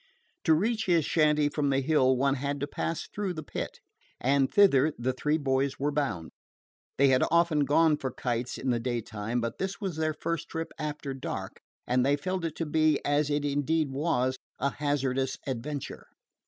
To reach his shanty from the Hill one had to pass through the Pit, and thither the three boys were bound. They had often gone for kites in the daytime, but this was their first trip after dark, and they felt it to be, as it indeed was, a hazardous adventure.